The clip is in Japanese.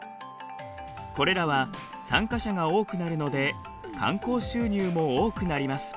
これらは参加者が多くなるので観光収入も多くなります。